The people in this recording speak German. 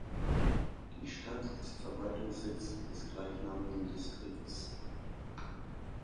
Die Stadt ist Verwaltungssitz des gleichnamigen Distrikts.